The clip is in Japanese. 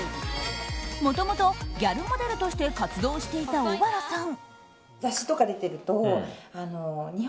もともと、ギャルモデルとして活動していた小原さん。